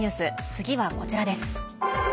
次はこちらです。